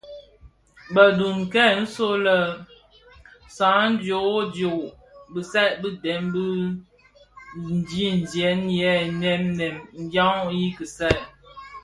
Bëdhub këň nso lè sadioodioo bisai bị dèm i ndigsièn yè nèm nèm dyan i kisaï.